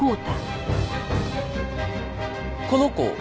この子？